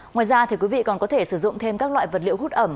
ngoài ra thì quý vị còn có thể sử dụng thêm các loại vật liệu hút ẩm